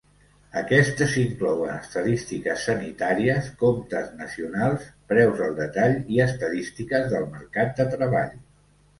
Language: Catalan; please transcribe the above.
Aquestes inclouen estadístiques sanitàries, comptes nacionals, preus al detall i estadístiques del mercat de treball.